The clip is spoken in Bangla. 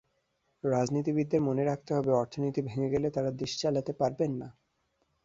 রাজনীতিবিদদের মনে রাখতে হবে, অর্থনীতি ভেঙে গেলে তাঁরা দেশ চালাতে পারবেন না।